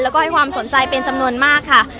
แล้วก็ให้ความสนใจเป็นจำนวนมากค่ะ